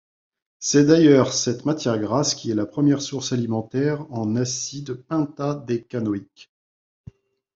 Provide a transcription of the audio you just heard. C'est d'ailleurs cette matière grasse qui est la première source alimentaire en acide pentadécanoïque.